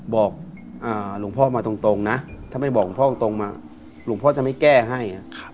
บอกหลวงพ่อมาตรงนะถ้าไม่บอกหลวงพ่อตรงมาหลวงพ่อจะไม่แก้ให้